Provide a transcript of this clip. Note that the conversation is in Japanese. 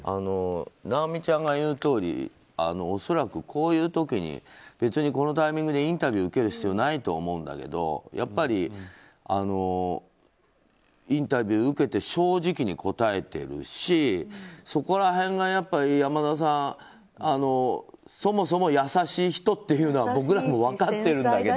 尚美ちゃんが言うとおり恐らく、こういう時に別にこのタイミングでインタビューを受ける必要はないと思うんだけどインタビューを受けて正直に答えてるしそこら辺が、山田さんそもそも優しい人っていうのは僕らも分かっているんだけど。